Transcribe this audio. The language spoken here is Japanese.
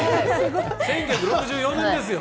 １９６４年ですよ。